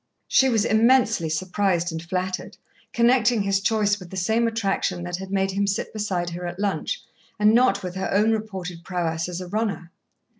She was immensely surprised and flattered, connecting his choice with the same attraction that had made him sit beside her at lunch, and not with her own reported prowess as a runner.